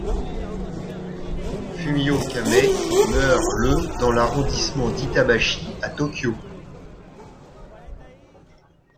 Fumio Kamei meurt le dans l'arrondissement d'Itabashi à Tokyo.